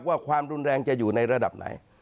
ความรุนแรงจะอยู่ในระดับไหน